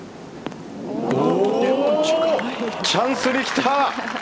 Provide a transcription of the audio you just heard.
チャンスできた。